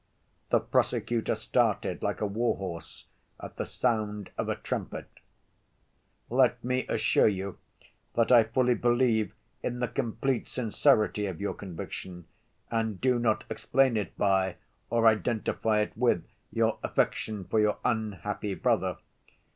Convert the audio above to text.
The prosecutor started like a war‐horse at the sound of a trumpet. "Let me assure you that I fully believe in the complete sincerity of your conviction and do not explain it by or identify it with your affection for your unhappy brother.